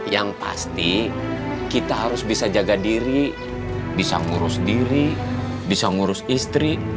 yang pasti kita harus bisa jaga diri bisa ngurus diri bisa ngurus istri